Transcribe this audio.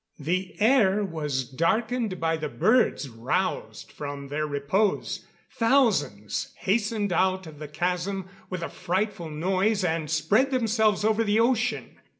The air was darkened by the birds roused from their repose. Thousands hastened out of the chasm with a frightful noise, and spread themselves over the ocean.